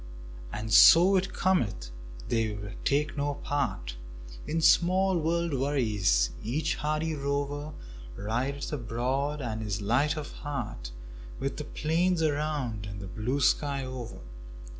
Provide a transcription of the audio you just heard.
And so it cometh they take no part In small world worries; each hardy rover Rideth abroad and is light of heart, With the plains around and the blue sky over.